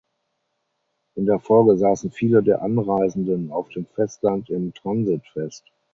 In der Folge saßen viele der Anreisenden auf dem Festland im Transit fest.